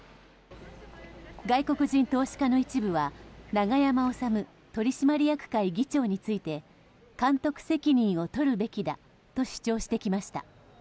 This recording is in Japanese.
外国人投資家の一部は永山治取締役会議長について監督責任をとるべきだと主張してきました。